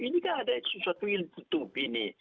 ini kan ada sesuatu yang butuh ini